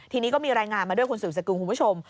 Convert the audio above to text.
ทีนี้ก็มีรายงานมาด้วยคุณศูนย์สัตว์กรุงคุณผู้ชม